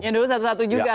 yang dulu satu satu juga